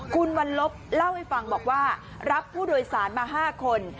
คุณวันลบเล่าให้ฟังบอกว่ารับผู้โดยสารมา๕คน